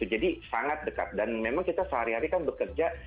jadi sangat dekat dan memang kita sehari hari kan bekerja